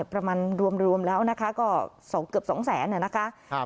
ประมาณรวมแล้วนะคะก็เกือบ๒๐๐๐๐๐บาทนะคะ